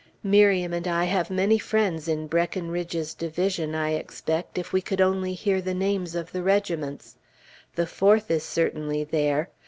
Miriam and I have many friends in Breckinridge's division, I expect, if we could only hear the names of the regiments. The Fourth is certainly there.